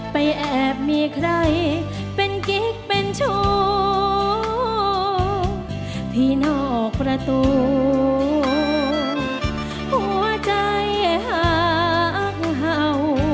แอบมีใครเป็นกิ๊กเป็นโชคพี่นอกประตูหัวใจหักเห่า